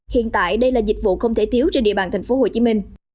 hiện tại đây là dịch vụ không thể thiếu trên địa bàn tp hcm